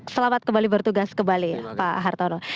selamat kembali bertugas kembali pak hartono